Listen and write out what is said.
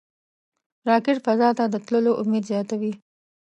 راکټ فضا ته د تللو امید زیاتوي